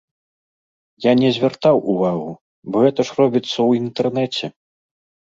Я не звяртаў увагу, бо гэта ж робіцца ў інтэрнэце.